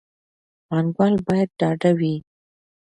پانګوال باید ډاډه وي.